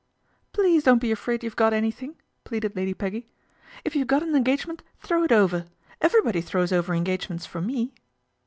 " Please don't be afraid you've got anything," pleaded Lady Peggy. " If you've got an engage ment throw it over. Everybody throws over engagements for me."